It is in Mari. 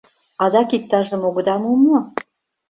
Адак иктажым огыда му мо?